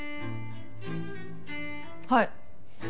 はい。